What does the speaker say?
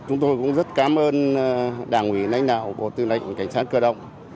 chúng tôi cũng rất cảm ơn đảng ủy lãnh đạo bộ tư lệnh cảnh sát cơ động